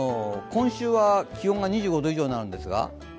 今週は気温が２５度以上になるんですが？